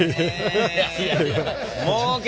いや。